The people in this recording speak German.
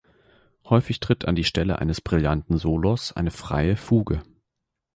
Häufig tritt an die Stelle des brillanten Solos eine freie Fuge.